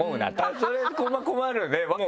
それ困るね。